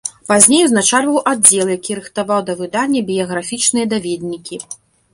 Пазней узначальваў аддзел, які рыхтаваў да выдання біяграфічныя даведнікі.